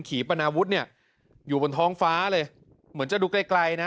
ขี่ปนาวุฒิเนี่ยอยู่บนท้องฟ้าเลยเหมือนจะดูไกลไกลนะ